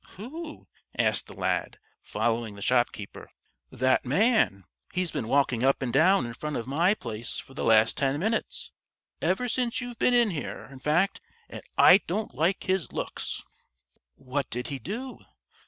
"Who?" asked the lad, following the shopkeeper. "That man. He's been walking up and down in front of my place for the last ten minutes ever since you've been in here, in fact, and I don't like his looks." "What did he do?"